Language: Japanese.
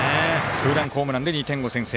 ツーランホームランで２点の先制。